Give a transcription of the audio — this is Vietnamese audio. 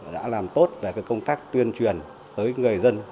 đã làm tốt về công tác tuyên truyền tới người dân